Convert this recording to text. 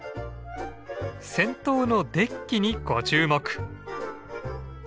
先頭のデッキにご注目！